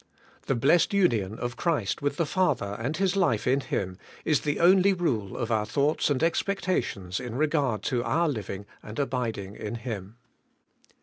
The blessed union of Christ with the Father and His life in Him is the only rule of our thoughts and expecta tions in regard to our living and abiding in Him.